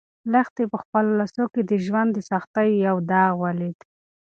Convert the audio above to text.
لښتې په خپلو لاسو کې د ژوند د سختیو یو داغ ولید.